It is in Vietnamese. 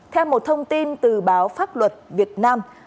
theo một thông tin từ báo pháp luật việt nam